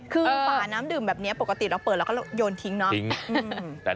คือฝาน้ำดื่มแบบนี้ปกติเราเปิดแล้วก็โยนทิ้งเนาะ